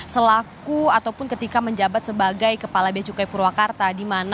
selaku ataupun ketika menjabat sebagai kepala beacukai purwakarta